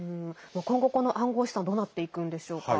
今後、この暗号資産はどうなっていくんでしょうか？